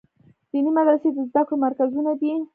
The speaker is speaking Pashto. دیني مدرسې د زده کړو مرکزونه دي.